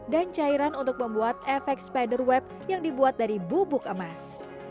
dan cairan untuk membuat efek spiderweb yang dibuat dari bubuk emas